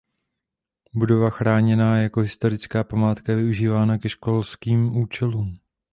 Budova chráněná jako historická památka je využívána ke školským účelům.